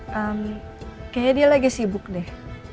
kami kayaknya dia lagi sibuk deh